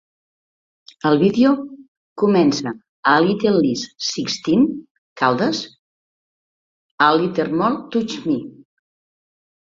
El vídeo comença amb "A Little Less Sixteen Candles, a Little More Touch Me".